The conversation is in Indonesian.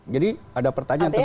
jadi ada pertanyaan tentang